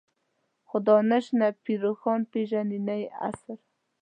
خو دانش نه پير روښان پېژني نه يې عصر.